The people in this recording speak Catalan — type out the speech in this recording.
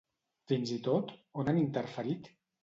Fins i tot, on han interferit?